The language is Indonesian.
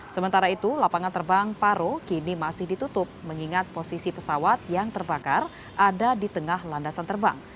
sementara itu lapangan terbang paro kini masih ditutup mengingat posisi pesawat yang terbakar ada di tengah landasan terbang